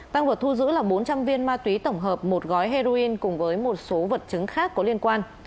tăng vật thu giữ là bốn trăm linh viên ma túy tổng hợp một gói heroin cùng với một số vật chứng khác có liên quan